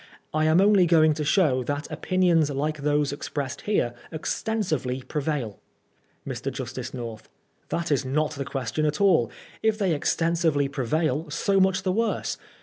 I am only going to show that opinions like those expressed here extensively prevaiL Mr. Justice North : That is not the question at all. if they extensively prevail, so much the worse.